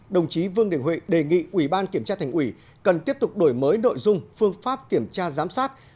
đồng chí vương đình huệ đề nghị ủy ban kiểm tra thành ủy cần tiếp tục đổi mới nội dung phương pháp kiểm tra giám sát